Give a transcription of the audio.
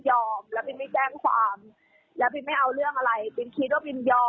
สภาพบินขาดหมดในขณะที่ร้านข้างก็เป็นร้านหมูตุ่ม